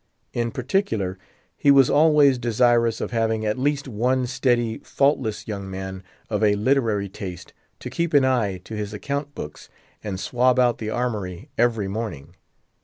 In particular, he was always desirous of having at least one steady, faultless young man, of a literary taste, to keep an eye to his account books, and swab out the armoury every morning.